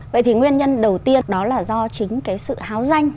vậy thì nguyên nhân đầu tiên đó là do chính cái sự háo danh